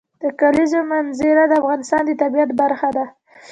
د کلیزو منظره د افغانستان د طبیعت برخه ده.